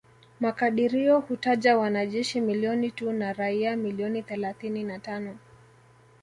Makadirio hutaja wanajeshi milioni tu na raia milioni thelathini na tano